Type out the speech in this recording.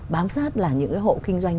bám sát là những cái hộ kinh doanh